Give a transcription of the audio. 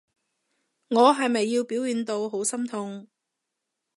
我係咪要表現到好心痛？